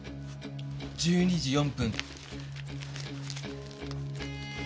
１２時４分。